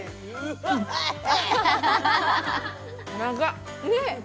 長っ。